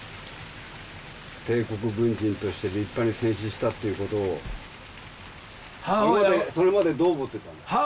帝国軍人として立派に戦死したっていうことをそれまでどう思ってたんですか？